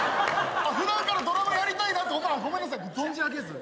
普段からドラマやりたいなとごめんなさい存じ上げず。